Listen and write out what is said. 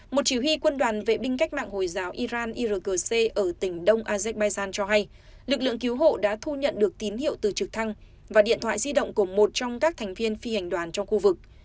một chỉ huy quân đoàn vệ binh cách mạng hồi giáo iran irgc ở tỉnh đông azerbaijan cho hay lực lượng cứu hộ đã thu nhận được tín hiệu từ trực thăng và điện thoại di động của một trong các thành viên phi hành đoàn trong khu vực